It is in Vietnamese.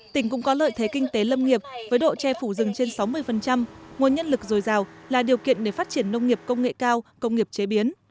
tỉnh cũng có lợi thế kinh tế lâm nghiệp với độ che phủ rừng trên sáu mươi nguồn nhân lực dồi dào là điều kiện để phát triển nông nghiệp công nghệ cao công nghiệp chế biến